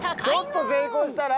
ちょっと成功したら。